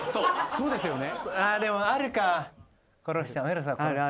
そうですよね。